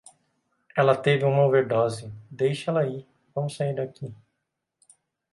Ela teve uma overdose, deixa ela aí, vamos sair daqui